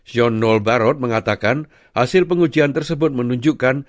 jean noel barod mengatakan hasil pengujian tersebut menunjukkan